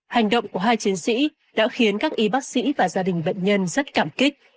hành động của hai chiến sĩ đã khiến các y bác sĩ và gia đình bệnh nhân rất cảm kích